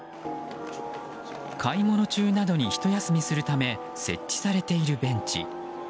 買い物中などにひと休みするため設置されているベンチ。